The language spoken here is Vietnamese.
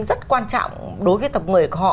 rất quan trọng đối với tộc người họ